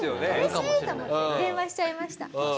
「嬉しい！」と思って電話しちゃいました。